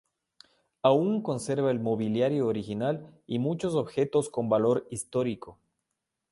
Aún conserva el mobiliario original, y muchos objetos con valor histórico.